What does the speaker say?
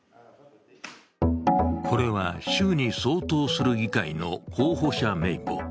これは州に相当する議会の候補者名簿。